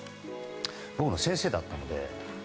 僕の先生だったので。